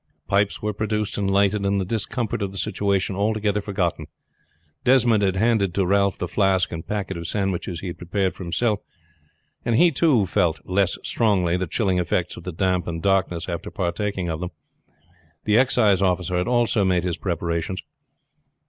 Pipes were produced and lighted, and the discomfort of the situation altogether forgotten. Desmond had handed to Ralph the flask and packet of sandwiches he had prepared for himself, and he, too, felt less strongly the chilling effects of the damp and darkness after partaking of them. The excise officer had also made his preparations.